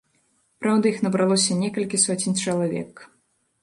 Праўда, іх набралося некалькі соцень чалавек.